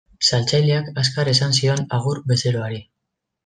Saltzaileak azkar esan zion agur bezeroari.